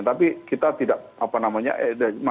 jadi kita tidak apa namanya